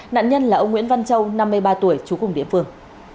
nạn nhân là ông nguyễn văn châu năm mươi ba tuổi trú cùng địa phương